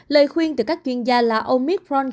lời khuyên từ các chuyên gia là omicron